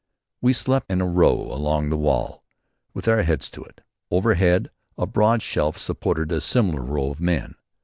We slept in a row along the wall, with our heads to it. Overhead a broad shelf supported a similar row of men.